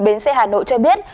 bến xe hà nội cho biết